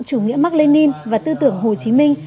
chủ nghĩa mạc lê ninh và tư tưởng hồ chí minh